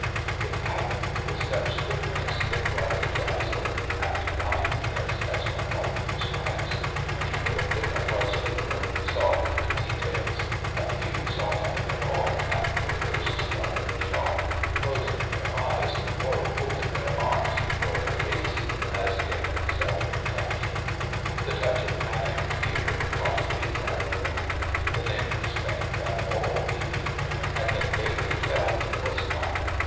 It happened with such swiftness it brought the dazzle and blindness as when lightning strikes. People in different parts of the room saw different details; a few saw nothing at all after the first startling shock, closing their eyes, or holding their arms before their faces as in self protection. The touch of panic fear caught the entire room. The nameless thing that all the evening had been vaguely felt was come.